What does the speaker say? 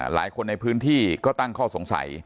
หลายคนในพื้นที่ก็ตั้งข้อสงสัย